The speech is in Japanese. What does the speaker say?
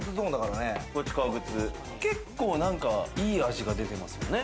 結構なんか、いい味が出てますもんね。